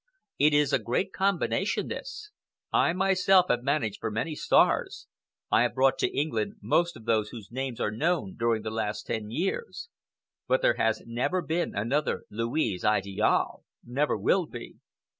It is a great combination, this. I myself have managed for many stars, I have brought to England most of those whose names are known during the last ten years; but there has never been another Louise Idiale,—never will be."